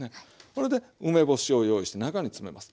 これで梅干しを用意して中に詰めます。